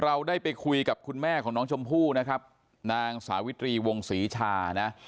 เราได้ไปคุยกับคุณแม่ของน้องชมพู่นะครับนางสาวิตรีวงศรีชานะ